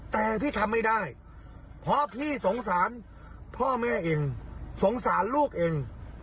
แต่พี่ทำไม่ได้เพราะพี่สงสารพ่อแม่เองสงสารลูกเอง